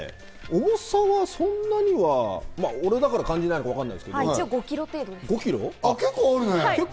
重さはそんなには、俺だから感じないのかもしれないですけど。